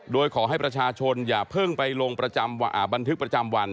โดยขอให้ประชาชนอย่าเพิ่งไปลงประจำบันทึกประจำวัน